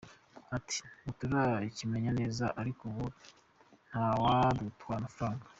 Ati «Ntiturakimenya neza ariko ubu nta wadutwara amafaranga.